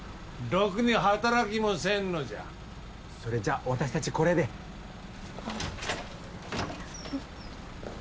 ろくに働きもせんのじゃそれじゃ私達これでああえっ？